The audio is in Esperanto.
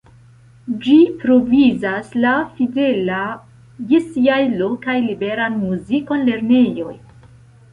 Ĝi provizas la fidela je siaj lokaj liberan muzikon lernejoj.